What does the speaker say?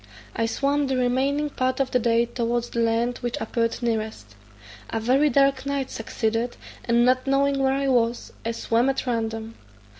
I swam the remaining part of the day towards that land which appeared nearest. A very dark night succeeded, and not knowing where I was, I swam at random.